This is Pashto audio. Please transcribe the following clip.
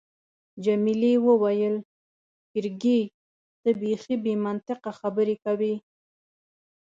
جميلې وويل: فرګي، ته بیخي بې منطقه خبرې کوي.